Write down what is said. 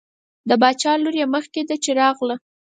د باچا لور یې مخکې ده چې راغله.